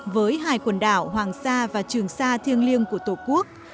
với hai quần đảo hoàng sa và trường sa thiêng liêng của tổ quốc